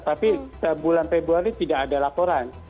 tapi bulan februari tidak ada laporan